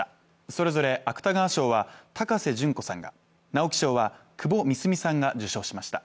それぞれ芥川賞は高瀬隼子さんが、直木賞は窪美澄さんが受賞しました。